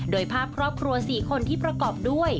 โดยภาพครอบครัว๔คนที่ประกอบด้วย